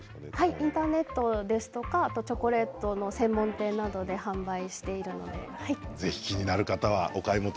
インターネットやチョコレートの専門店などで販売しています。